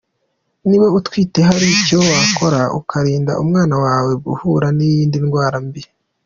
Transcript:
Niba utwite hari icyo wakora ukarinda umwana wawe guhura n’iyi ndwara mbi.